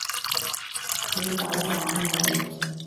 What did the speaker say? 好斗膽啊你